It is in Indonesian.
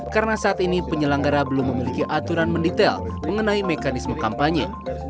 karena saat ini penyelanggara belum memiliki aturan mendetail mengenai mekanisme kampanye